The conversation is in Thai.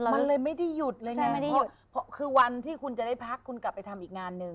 มันเลยไม่ได้หยุดเลยค่ะคือวันที่คุณจะได้พักคุณกลับไปทำอีกงานนึง